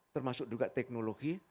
termasuk juga teknologi